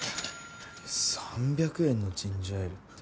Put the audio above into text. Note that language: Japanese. ３００円のジンジャーエール。